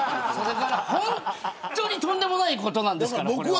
本当にとんでもないことなんですから。